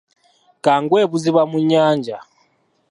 Kangwe ebuziba mu nyanja.